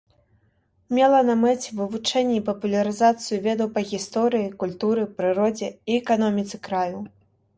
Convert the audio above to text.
Мела на мэце вывучэнне і папулярызацыю ведаў па гісторыі, культуры, прыродзе і эканоміцы краю.